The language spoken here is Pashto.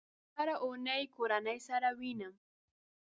هره اونۍ کورنۍ سره وینم